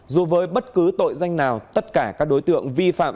dù với bất cứ tội danh nào tất cả các đối tượng vi phạm